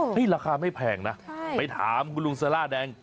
นี่ราคาไม่แพงนะไปถามคุณลุงภาษาสล่าแดง